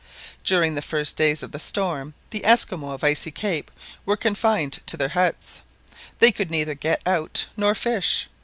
During the first days of the storm the Esquimaux of Icy Cape were confined to their huts. They could neither get out nor fish.